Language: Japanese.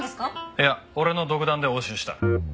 いや俺の独断で押収した。